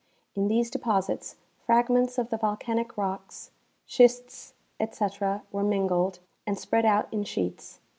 In these deposits fragments of the volcanic rocks, schists, etc, were min gled, and spread out in sheets.